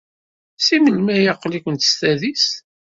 Seg melmi ay aql-ikent s tadist?